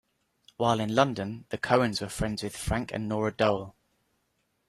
While in London, the Cohens were friends with Frank and Nora Doel.